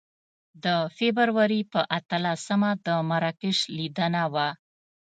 د فبروري په اتلسمه د مراکش لیدنه وه.